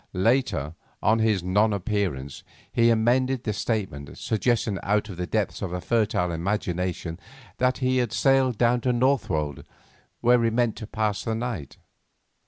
Later, on his non appearance, he amended this statement, suggesting out of the depths of a fertile imagination, that he had sailed down to Northwold, where he meant to pass the night.